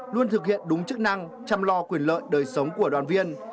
luôn thực hiện đúng chức năng chăm lo quyền lợi đời sống của đoàn viên